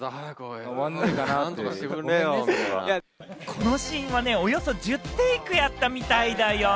このシーンはね、およそ１０テイクやったみたいだよ。